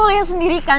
lo liat sendiri kan